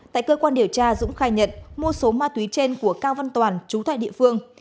tại cơ quan điều tra dũng khai nhận mua số ma túy trên của cao văn toàn chú tại địa phương